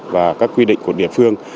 và các quy định của địa phương